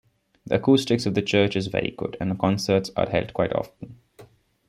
The acoustics of the church is very good, and concerts are held quite often.